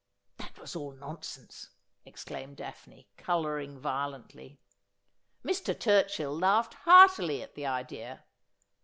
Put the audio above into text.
' That was all nonsense,' exclaimed Daphne, colouring vio lently. Mr. Turchill laughed heartily at the idea.